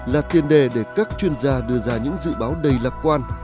là tiền đề để các chuyên gia đưa ra những dự báo đầy lạc quan